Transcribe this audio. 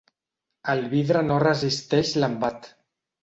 El vidre no resisteix l'embat.